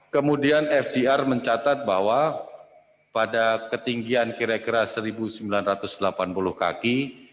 kemudian fdr mencatat bahwa pada ketinggian kira kira seribu sembilan ratus delapan puluh kaki